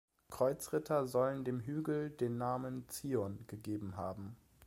Kreuzritter sollen dem Hügel den Namen Zion gegeben haben.